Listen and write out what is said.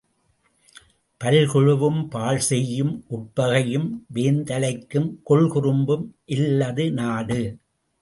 பல்குழுவும் பாழ்செய்யும் உட்பகையும் வேந்தலைக்கும் கொல்குறும்பும் இல்லது நாடு.